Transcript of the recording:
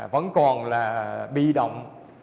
vẫn còn là bị động